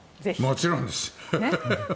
もちろんです！